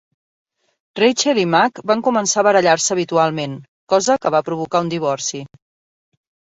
Rachel i Mac van començar a barallar-se habitualment, cosa que va provocar un divorci.